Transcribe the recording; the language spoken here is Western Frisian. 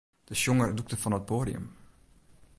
De sjonger dûkte fan it poadium.